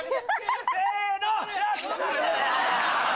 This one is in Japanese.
せの。